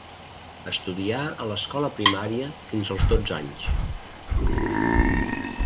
Estudià a l'escola primària fins als dotze anys.